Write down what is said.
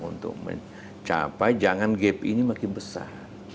untuk mencapai jangan gap ini makin besar